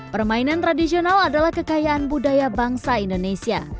permainan tradisional adalah kekayaan budaya bangsa indonesia